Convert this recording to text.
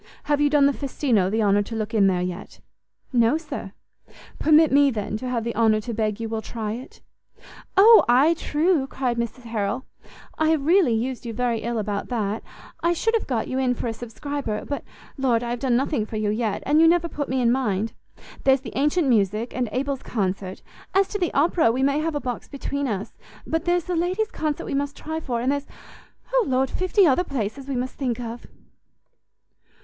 Have you done the Festino the honour to look in there yet?" "No, sir." "Permit me, then, to have the honour to beg you will try it." "O, ay, true," cried Mrs Harrel; "I have really used you very ill about that; I should have got you in for a subscriber: but Lord, I have done nothing for you yet, and you never put me in mind. There's the ancient music, and Abel's concert; as to the opera, we may have a box between us; but there's the ladies' concert we must try for; and there's O Lord, fifty other places we must think of!"